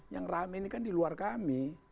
yang rame ini kan di luar kami